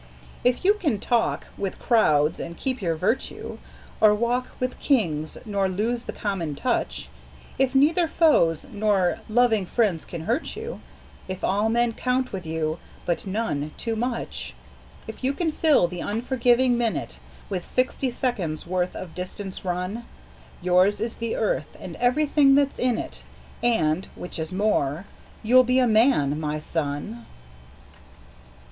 If you can talk with crowds and keep your virtue, Or walk with Kings nor lose the common touch; If neither foes nor loving friends can hurt you, If all men count with you, but none too much; If you can fill the unforgiving minute With sixty seconds' worth of distance run, Yours is the Earth and everything that's in it, And which is more you'll be a Man, my son!